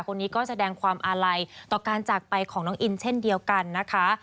คนนี้ก็แสดงความอาลัยต่อการจากไปของน้องอินเช่นเดียวกันนะคะ